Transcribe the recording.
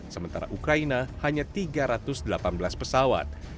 sementara ukraina hanya tiga ratus delapan belas pesawat